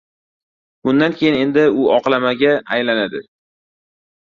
Bundan keyin endi u oqlamaga aylanadi.